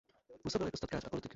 Působil jako statkář a politik.